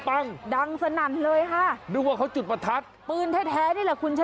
แม่งแม่งแม่งแม่งแม่ง